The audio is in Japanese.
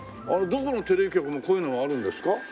どこのテレビ局もこういうのがあるんですか？